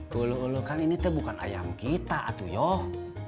tuh lu kan ini bukan ayam kita atuh yoh